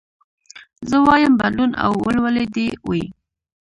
زه وايم بدلون او ولولې دي وي